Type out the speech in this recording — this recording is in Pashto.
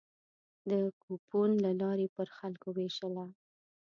د کوپون له لارې پر خلکو وېشله.